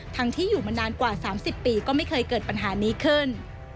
ที่อยู่มานานกว่า๓๐ปีก็ไม่เคยเกิดปัญหานี้ขึ้น